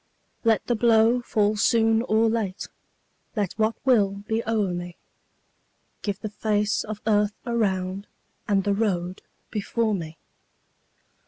Let the blow fall soon or late, Let what will be o'er me; Give the face of earth around And the road before me.